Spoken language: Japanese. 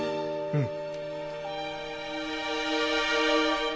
うん。